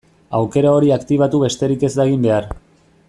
Aukera hori aktibatu besterik ez da egin behar.